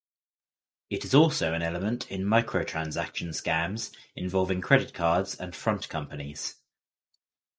It is also an element in microtransaction scams involving credit cards and front companies.